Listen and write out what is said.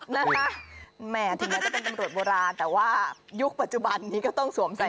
นะคะแหมถึงแม้จะเป็นตำรวจโบราณแต่ว่ายุคปัจจุบันนี้ก็ต้องสวมใส่